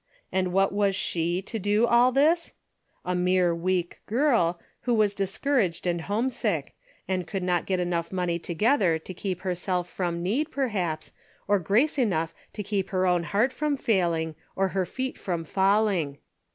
And what was she to do all this ? A mere weak girl, who was discouraged and homesick, and could not get enough money to gether to keep herself from need, perhaps, nor grace enough to keep her own heart from fail ing or her feet from falling.